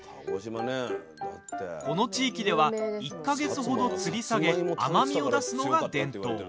この地域では１か月程つり下げ甘みを出すのが伝統。